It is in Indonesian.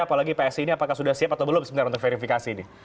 apalagi psi ini apakah sudah siap atau belum sebenarnya untuk verifikasi ini